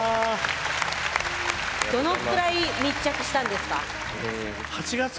どのくらい密着したんですか？